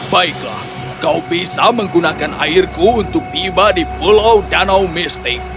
baiklah kau bisa menggunakan airku untuk tiba di pulau danau mistik